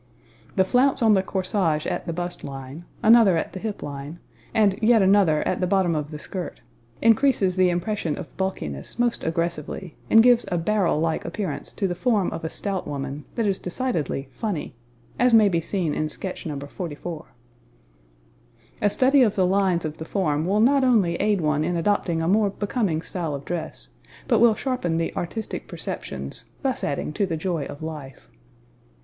A flounce on the corsage at the bust line, another at the hip line, and yet another at the bottom of the shirt, increases the impression of bulkiness most aggressively and gives a barrel like appearance to the form of a stout woman that is decidedly funny, as may be seen in sketch No. 44. A study of the lines of the form will not only aid one in adopting a more becoming style of dress, but will sharpen the artistic perceptions, thus adding to the joy of life.